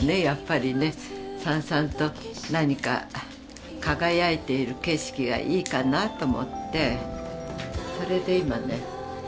やっぱりねさんさんと何か輝いている景色がいいかなと思ってそれで今ね